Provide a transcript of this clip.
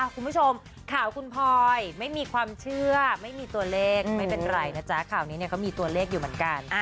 คุณผู้ชมข่าวคุณพลอยไม่มีความเชื่อไม่มีตัวเลขไม่เป็นไรนะจ๊ะข่าวนี้เขามีตัวเลขอยู่เหมือนกัน